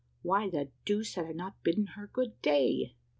Why the deuce had I not bidden her "Good day"?